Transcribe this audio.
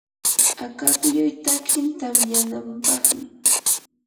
akaklluy takin tamyanampaqmi.